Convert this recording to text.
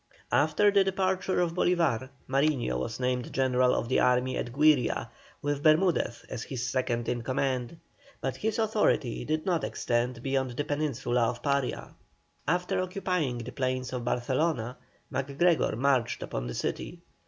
After the departure of Bolívar, Mariño was named general of the army at Güiria, with Bermudez as his second in command, but his authority did not extend beyond the peninsula of Paria. After occupying the plains of Barcelona, MacGregor marched upon the city.